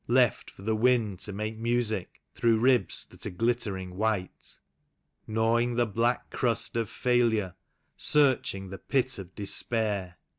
Left for the wind to make music through ribs that are glittering wliite; Gnawing the black crust of failure, searching the pit of despair.